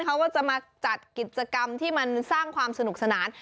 เขาก็จะมาจัดกิจกรรมที่มันสร้างความสนุกสนาน